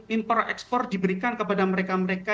impor ekspor diberikan kepada mereka mereka